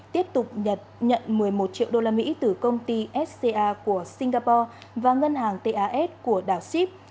tiếp tục nhật nhận một mươi một triệu usd từ công ty sca của singapore và ngân hàng tas của đảo sip